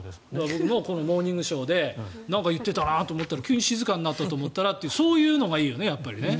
僕もこの「モーニングショー」でなんか言っていたなと思ったら急に静かになったと思ったらと理想はそうです。